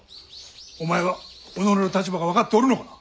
お前は己の立場が分かっておるのか？